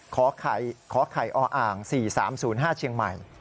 ขอไข่ออ่าง๔๓๐๕เชียงใหม่